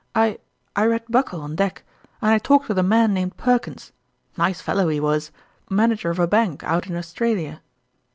" I I read Buckle on deck, and I talked with a man named Perkins nice fellow he was manager of a bank out in Australia."